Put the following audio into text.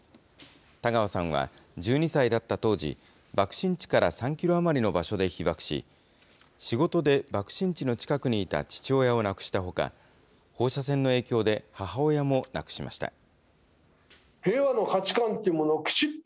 田川さんは１２歳だった当時、爆心地から３キロ余りの場所で被爆し、仕事で爆心地の近くにいた父親を亡くしたほか、放射線の影響で母親も亡くしました。